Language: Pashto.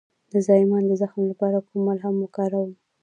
د زایمان د زخم لپاره کوم ملهم وکاروم؟